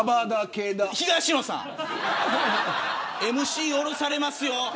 東野さんＭＣ降ろされますよ。